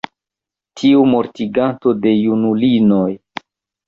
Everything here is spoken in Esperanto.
tiu mortiganto de junulinoj!